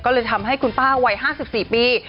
ก็เลยทำให้คุณป้าวัย๕๔ปี